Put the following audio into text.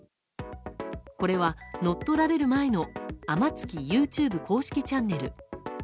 これは、乗っ取られる前の「天月‐あまつき‐」公式ＹｏｕＴｕｂｅチャンネル。